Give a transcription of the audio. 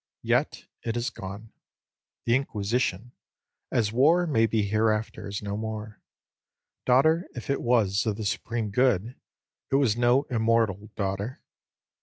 Yet it has gone. The Inquisition, as War may be hereafter, is no more. Daughter if it was of the Supreme Good, it was no immortal daughter.